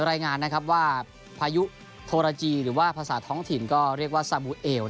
รายงานนะครับว่าพายุโทรจีหรือว่าภาษาท้องถิ่นก็เรียกว่าซาบูเอล